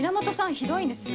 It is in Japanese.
ひどいんですよ。